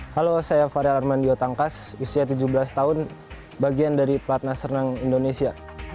halo saya farel armandio tangkas usia tujuh belas tahun bagian dari platnas renang indonesia